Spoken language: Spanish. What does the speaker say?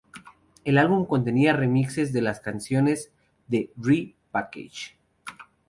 El álbum contenía remixes de las canciones de "Re:package".